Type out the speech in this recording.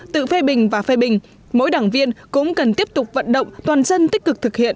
tự phê bình và phê bình mỗi đảng viên cũng cần tiếp tục vận động toàn dân tích cực thực hiện